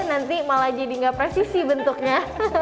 nanti malah jadi nggak presisi bentuknya